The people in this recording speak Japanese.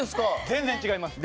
全然違います。